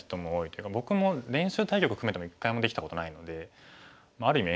というか僕も練習対局を含めても一回もできたことないのである意味